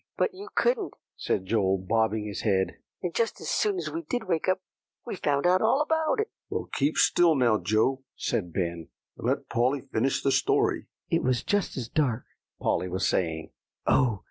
"But you couldn't," said Joel, bobbing his head; "and just as soon as we did wake up, we found out all about it." "Well keep still now, Joe," said Ben, "and let Polly finish the story." "It was just as dark," Polly was saying, "oh!